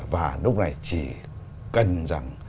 và lúc này chỉ cần rằng